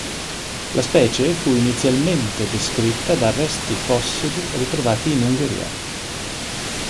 La specie fu inizialmente descritta da resti fossili ritrovati in Ungheria.